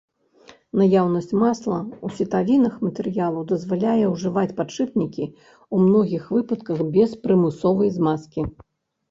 Наяўнасць масла ў сітавінах матэрыялу дазваляе ўжываць падшыпнікі ў многіх выпадках без прымусовай змазкі.